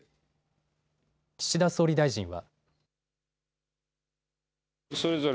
岸田総理大臣は。